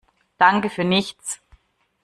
Danke für nichts!